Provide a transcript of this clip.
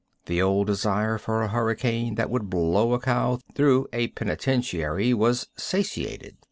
The old desire for a hurricane that would blow a cow through a penitentiary was satiated.